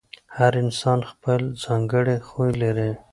هر انسان خپل ځانګړی خوی لري.